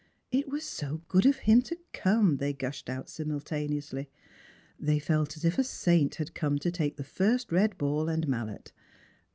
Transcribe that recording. It was so good of him to come, they gushed out simultaneously. They felt as if a saint had come to take the first red ball and mallet.